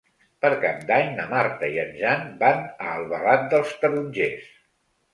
Per Cap d'Any na Marta i en Jan van a Albalat dels Tarongers.